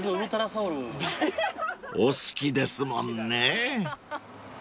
［お好きですもんね］